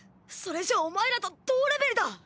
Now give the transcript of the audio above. それじゃお前らと同レベルだ。